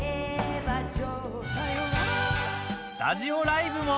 スタジオライブも。